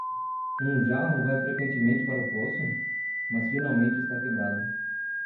Um jarro vai frequentemente para o poço?, mas finalmente está quebrado.